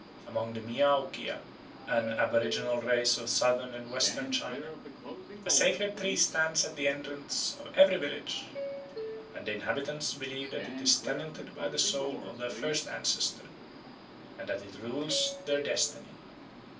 Among the Miao Kia, an aboriginal race of Southern and Western China, a sacred tree stands at the entrance of every village, and the inhabitants believe that it is tenanted by the soul of their first ancestor and that it rules their destiny.